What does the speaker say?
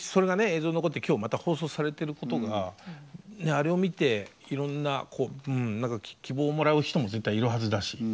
映像に残って今日また放送されてることがあれを見ていろんなこううん何か希望をもらう人も絶対いるはずだし。